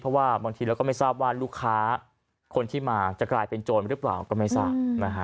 เพราะว่าบางทีเราก็ไม่ทราบว่าลูกค้าคนที่มาจะกลายเป็นโจรหรือเปล่าก็ไม่ทราบ